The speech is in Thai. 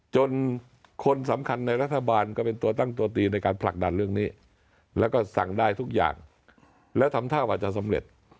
คนสำคัญในรัฐบาลก็เป็นตัวตั้งตัวตีในการผลักดันเรื่องนี้แล้วก็สั่งได้ทุกอย่างแล้วทำท่าว่าจะสำเร็จ